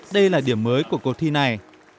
đây là điểm mới của cuộc thi này